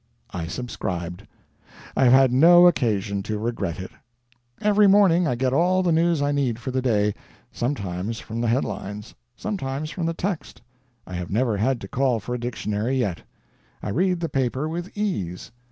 I subscribed. I have had no occasion to regret it. Every morning I get all the news I need for the day; sometimes from the headlines, sometimes from the text. I have never had to call for a dictionary yet. I read the paper with ease.